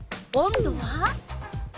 温度は？